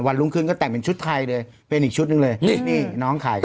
รุ่งขึ้นก็แต่งเป็นชุดไทยเลยเป็นอีกชุดหนึ่งเลยนี่น้องขาย